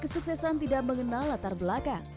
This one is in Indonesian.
kesuksesan tidak mengenal latar belakang